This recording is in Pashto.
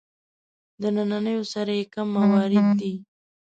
د نننیو سره یې کم موارد دي.